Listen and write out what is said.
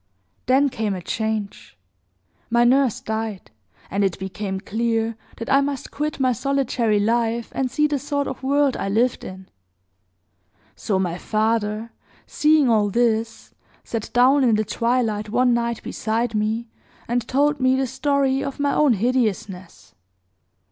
"Then came a change. My nurse died; and it became clear that I must quit my solitary life, and see the sort of world I lived in. So my father, seeing all this, sat down in the twilight one night beside me, and told me the story of my own hideousness.